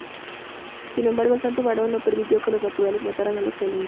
Sin embargo, el Santo Varón no permitió que los naturales mataran a los felinos.